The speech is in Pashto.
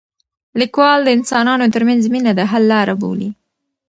لیکوال د انسانانو ترمنځ مینه د حل لاره بولي.